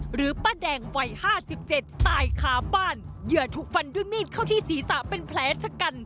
หรือป้าแดงวัย๕๗ตายค้าบ้านเหยื่อถูกฟันด้วยมีดเข้าที่ศีรษะเป็นแผลชะกัน